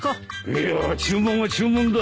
いや注文は注文だ。